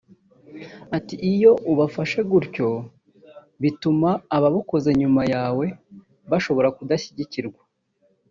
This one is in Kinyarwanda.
Ati “Iyo ubafashe gutyo bituma ababukoze nyuma yawe bashobora kudashyigikirwa